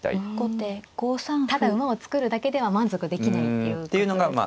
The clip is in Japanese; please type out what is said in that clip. ただ馬を作るだけでは満足できないっていうことですね。